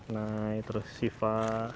nai terus syifa